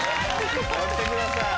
乗ってください。